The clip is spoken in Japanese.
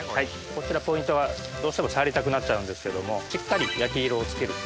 こちらポイントはどうしても触りたくなっちゃうんですけどもしっかり焼き色をつけるっていう。